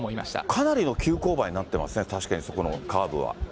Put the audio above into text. かなりの急勾配になっていますね、確かに、そこのカーブは。